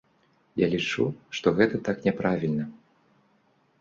Я лічу, што гэта так няправільна!